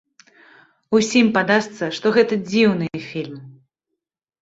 Усім падасца, што гэта дзіўны фільм.